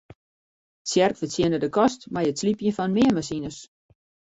Tsjerk fertsjinne de kost mei it slypjen fan meanmasines.